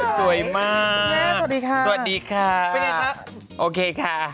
สวัสดีค่ะสวัสดีฮะโอเคค่ะ